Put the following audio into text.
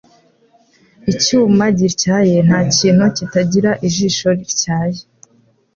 Icyuma gityaye ntakintu kitagira ijisho rityaye